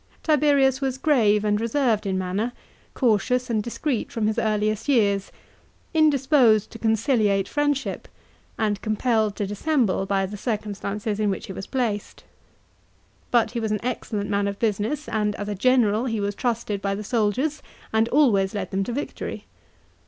Tiberius was grave and reserved in manner, cautious and discreet from his earliest years, indisposed to conciliate friendship, and compelled to dissemble by the circumstances in which he was placed. But he was an excellent man of business and as a general he wa* trusted by the soldiers, and always led them to victory.